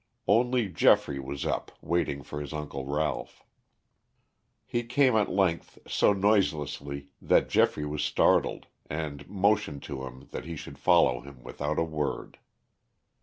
Only Geoffrey was up waiting for his uncle Ralph. He came at length so noiselessly that Geoffrey was startled, and motioned to him that he should follow him without a word.